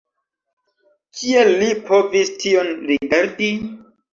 Kiel Li povis tion rigardi?!